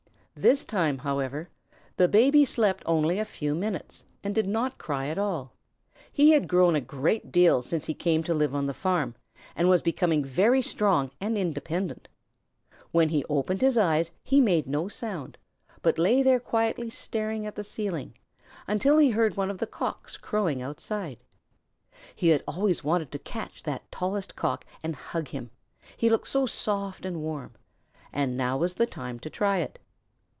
This time, however, the Baby slept only a few minutes and did not cry at all. He had grown a great deal since he came to live on the farm, and was becoming very strong and independent. When he opened his eyes he made no sound, but lay there quietly staring at the ceiling until he heard one of the Cocks crowing outside. He had always wanted to catch that tallest Cock and hug him he looked so soft and warm and now was the time to try it.